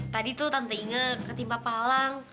tadi tuh tante inge ketimpa pa'lang